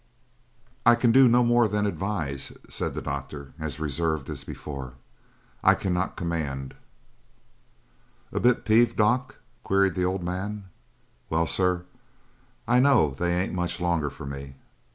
"I can do no more than advise," said the doctor, as reserved as before. "I cannot command." "A bit peeved, doc?" queried the old man. "Well, sir, I know they ain't much longer for me.